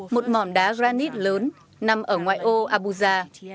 một mỏm đá granite lớn nằm ở ngoài ô abuja